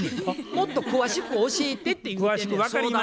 もっと詳しく教えてって言うてんねや。